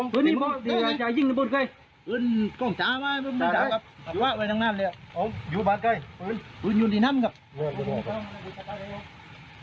เป็นกองจ้าเลยน่ะ